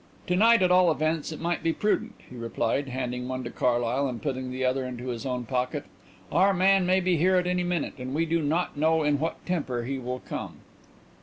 "To night, at all events, it might be prudent," he replied, handing one to Carlyle and putting the other into his own pocket. "Our man may be here at any minute, and we do not know in what temper he will come."